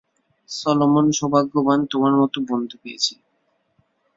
Solomon সৌভাগ্যবান তোমার মত বন্ধু পেয়েছে।